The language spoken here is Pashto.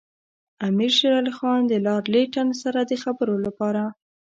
امیر شېر علي خان د لارډ لیټن سره د خبرو لپاره.